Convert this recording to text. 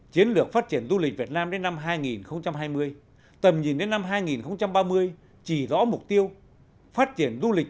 chiến lược phát triển du lịch việt nam đến năm hai nghìn hai mươi tầm nhìn đến năm hai nghìn ba mươi chỉ rõ mục tiêu phát triển du lịch